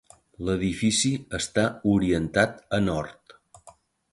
L'edifici està orientat a nord.